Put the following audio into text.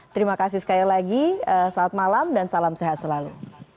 terima kasih sekali lagi salam sehat selalu